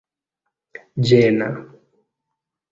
ĝena